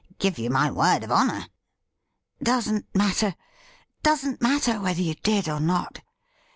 Give you my word of honour.' 'Doesn't matter — doesn't matter whether you did or not.